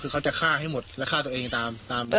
เขาจะฆ่าให้หมดและฆ่าตัวอิ่งตาม